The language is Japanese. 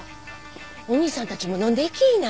お兄さんたちも飲んでいきいな。